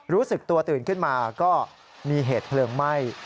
รู้สึกตัวตื่นขึ้นมาก็มีเหตุเพลิงไหม้